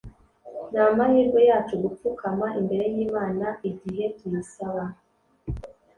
ni amahirwe yacu gupfukama imbere y'imana igihe tuyisaba